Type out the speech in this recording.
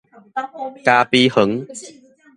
咖啡園